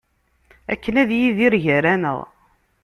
Akken ad yidir gar-aneɣ.